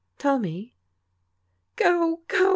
Tell me." " Go ! go